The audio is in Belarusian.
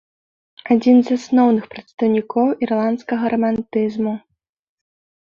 Адзін з асноўных прадстаўнікоў ірландскага рамантызму.